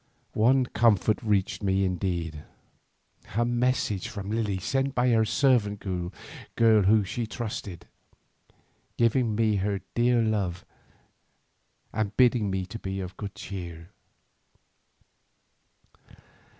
One comfort reached me indeed, a message from Lily sent by a servant girl whom she trusted, giving me her dear love and bidding me to be of good cheer.